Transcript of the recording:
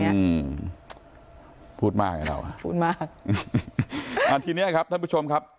เนี้ยพูดมากไงเราพูดมากอ่าทีเนี้ยครับท่านผู้ชมครับ